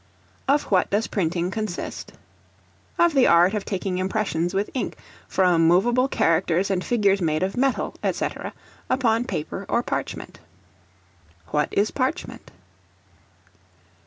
Of what does Printing consist? Of the art of taking impressions with ink, from movable characters and figures made of metal, &c., upon paper or parchment. What is Parchment?